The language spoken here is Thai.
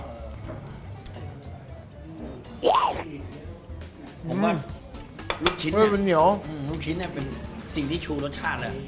ผมว่าลูกชิ้นเนี่ยเป็นสิ่งที่ชูรสชาติเลย